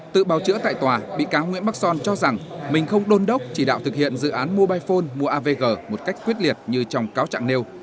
tự bào chữa tại tòa bị cáo nguyễn bắc son cho rằng mình không đôn đốc chỉ đạo thực hiện dự án mobile phone mua avg một cách quyết liệt như trong cáo trạng nêu